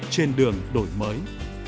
trên đường đổi mới